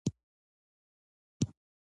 تعلیم نجونو ته د پاسورډ ساتلو اهمیت ښيي.